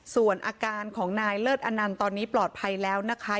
ส่วนอาการของนายเลิศอนันต์ตอนนี้ปลอดภัยแล้วนะคะ